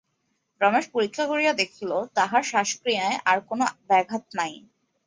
রমেশ পরীক্ষা করিয়া দেখিল, তাহার শ্বাসক্রিয়ার আর কোনো ব্যাঘাত নাই।